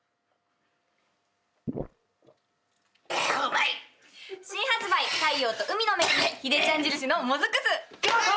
「うまい」「新発売太陽と海の恵みヒデちゃん印のもずく酢」カット！